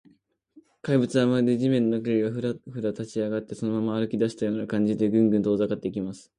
怪物は、まるで地面の影が、フラフラと立ちあがって、そのまま歩きだしたような感じで、グングンと遠ざかっていきます。